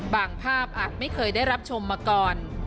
ภาพอาจไม่เคยได้รับชมมาก่อน